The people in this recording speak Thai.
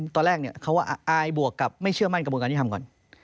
ตอนแรกเนี่ยเขาว่าอายบวกกับไม่เชื่อมั่นกระบวนการที่ทำก่อน